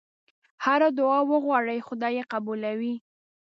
هره دعا وغواړې خدای یې قبلوي.